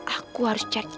aku harus cari tahu